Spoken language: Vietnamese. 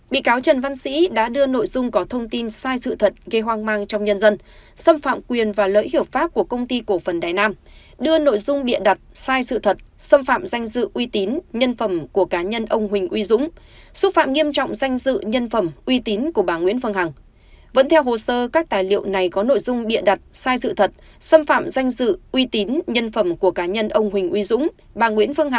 bị cáo trần văn sĩ đã đưa nội dung có thông tin sai sự thật gây hoang mang trong nhân dân xâm phạm quyền và lợi hiểu pháp của công ty cổ phần đài nam đưa nội dung bịa đặt sai sự thật xâm phạm danh dự uy tín nhân phẩm của cá nhân ông huỳnh uy dũng